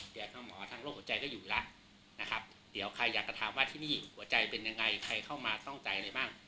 เดี๋ยวคุณหมอทางโรคหัวใจก็อยู่แล้วนะครับเดี๋ยวใครอยากจะถามว่าที่นี่หัวใจเป็นยังไงใครเข้ามาต้องใจอะไรบ้าง